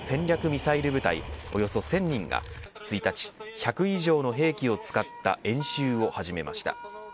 ミサイル部隊およそ１０００人が１日１００以上の兵器を使った演習を始めました。